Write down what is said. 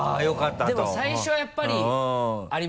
でも最初はやっぱりありました。